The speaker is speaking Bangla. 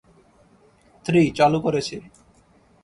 থ্রি, চালু করেছি।